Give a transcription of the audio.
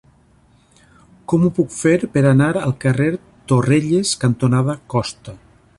Com ho puc fer per anar al carrer Torrelles cantonada Costa?